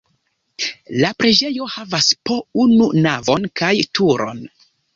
La preĝejo havas po unu navon kaj turon.